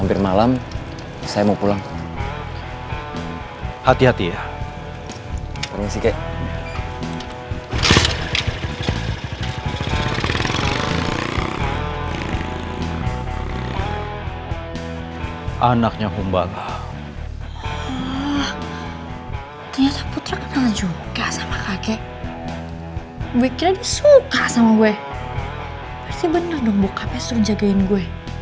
percayalah sama kau ini adalah saudaraku